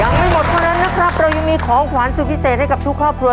ยังไม่หมดเท่านั้นนะครับเรายังมีของขวานสุดพิเศษให้กับทุกครอบครัว